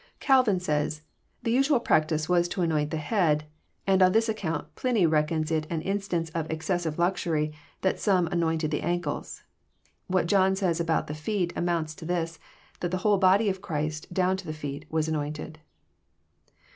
Calvin says :" The usual practice was to anoint the head, and on this account Pliny reckons it an instance of excessive luxury that some anointed the ankles. What John says about the feet amounts to this, that the whole l>ody of Christ, down to the feet, was anointed."